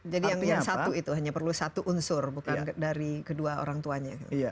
jadi yang satu itu hanya perlu satu unsur bukan dari kedua orang tuanya